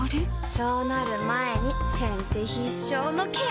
そうなる前に先手必勝のケア！